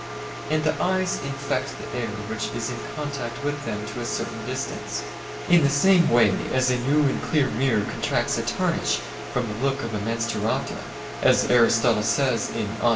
And the eyes infect the air which is in contact with them to a certain distance: in the same way as a new and clear mirror contracts a tarnish from the look of a "menstruata," as Aristotle says (De Somn.